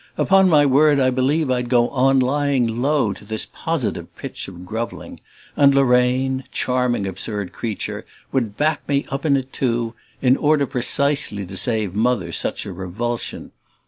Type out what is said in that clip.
Upon my word I believe I'd go on lying low to this positive pitch of grovelling and Lorraine, charming, absurd creature, would back me up in it too in order precisely to save Mother such a revulsion.